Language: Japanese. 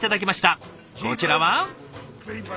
こちらは？